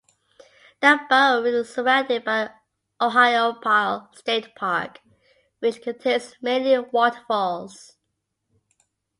The borough is surrounded by Ohiopyle State Park which contains many waterfalls.